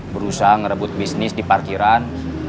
berusaha merebut bisnis di parkiran